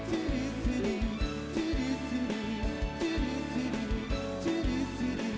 hakim ket secured